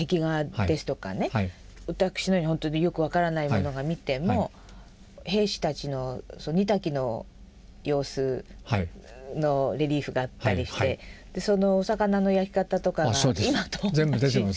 私のように本当によく分からない者が見ても兵士たちの煮炊きの様子のレリーフがあったりしてそのお魚の焼き方とかが今と同じ。